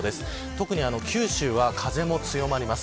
特に九州は風も強まります。